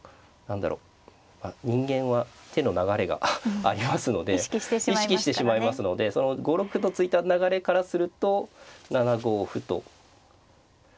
人間は手の流れがありますので意識してしまいますのでその５六歩と突いた流れからすると７五歩とまあ石田流を組むあっ。